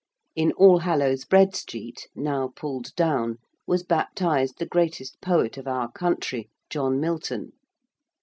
In All Hallows, Bread Street, now pulled down, was baptised the greatest poet of our country, John Milton.